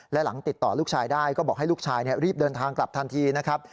และหลังติดต่อลูกชายได้ก็บอกให้ลูกชายรีบเดินทางกลับทันทีนะครับ